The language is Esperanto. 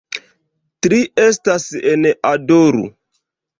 Tri estas en "Adoru".